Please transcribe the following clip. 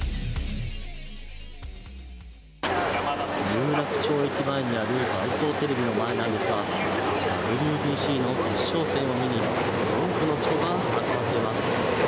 有楽町駅前にある街頭テレビの前なんですがＷＢＣの決勝戦を見に多くの人が集まっています。